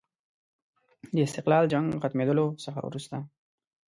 د استقلال جنګ ختمېدلو څخه وروسته.